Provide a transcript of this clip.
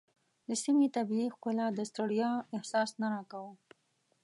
د سیمې طبیعي ښکلا د ستړیا احساس نه راکاوه.